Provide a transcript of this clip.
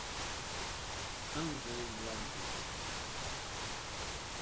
I am very glad, dear.